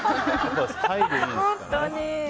スタイルいいですから。